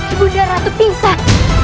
ibunya ratu pingsan